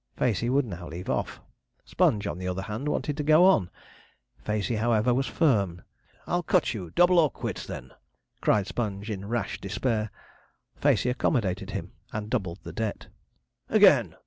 Facey would now leave off. Sponge, on the other hand, wanted to go on. Facey, however, was firm. 'I'll cut you double or quits, then,' cried Sponge, in rash despair. Facey accommodated him and doubled the debt. 'Again!'